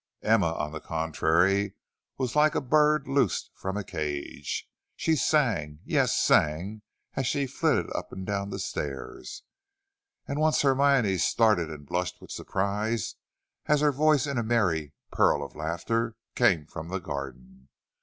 Emma, on the contrary, was like a bird loosed from a cage. She sang, yes, sang as she flitted up and down the stairs, and once Hermione started and blushed with surprise as her voice in a merry peal of laughter came from the garden.